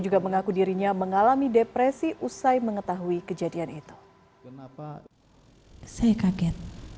juga mengaku dirinya mengalami depresi usai mengetahui kejadian itu kenapa saya kaget